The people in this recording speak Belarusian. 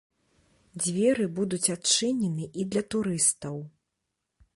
Дзверы будуць адчынены і для турыстаў.